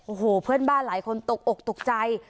โอ้โหเพื่อนบ้านหลายคนตกอกตกใจ